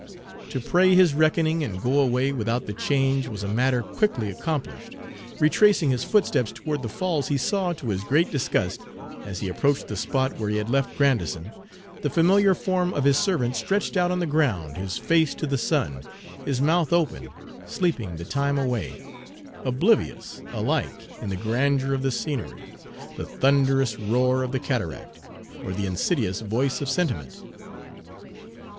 To pay his reckoning and go away without the change was a matter quickly accomplished. Retracing his footsteps toward the Falls, he saw, to his great disgust, as he Page 193 approached the spot where he had left Grandison, the familiar form of his servant stretched out on the ground, his face to the sun, his mouth open, sleeping the time away, oblivious alike to the grandeur of the scenery, the thunderous roar of the cataract, or the insidious voice of sentiment.